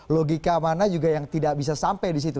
logika mana juga yang tidak bisa sampai disitu